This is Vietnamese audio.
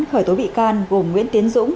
khởi tố bị can gồm nguyễn tiến dũng